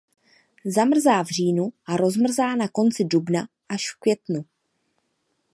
Zamrzá v říjnu a rozmrzá na konci dubna až v květnu.